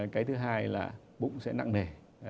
cái thứ hai là bụng sẽ nặng nề